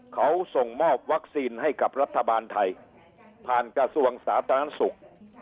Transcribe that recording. เขาส่งมอบวัคซีนให้กับรัฐบาลไทยผ่านกระทรวงสาธารณสุข